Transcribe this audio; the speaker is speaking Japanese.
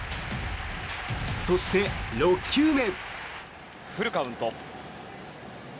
そして、６球目。